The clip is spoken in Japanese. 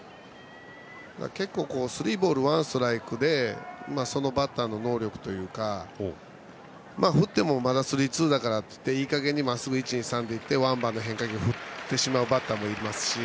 結構、スリーボールワンストライクでそのバッターの能力というか振ってもまだスリーツーだからといいかげんにまっすぐ１、２、３で行ってワンバウンド、変化球振ってしまうバッターもいますし。